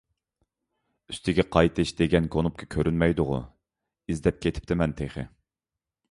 «ئۈستىگە قايتىش» دېگەن كۇنۇپكا كۆرۈنمەيدىغۇ؟ ئىزدەپ كېتىپتىمەن تېخى.